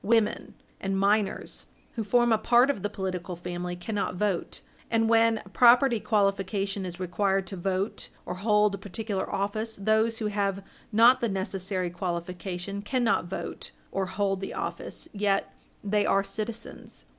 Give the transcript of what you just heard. Women and minors, who form a part of the political family, cannot vote, and when a property qualification is required to vote or hold a particular office, those who have not the necessary qualification cannot vote or hold the office, yet they are citizens.